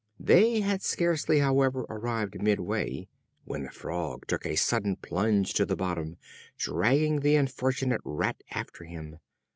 They had scarcely, however, arrived midway, when the Frog took a sudden plunge to the bottom, dragging the unfortunate Rat after him.